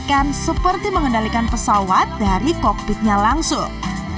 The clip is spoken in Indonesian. akan seperti mengendalikan pesawat dari kokpitnya langsung